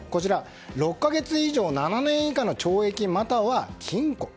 ６か月以上７年以下の懲役または禁錮。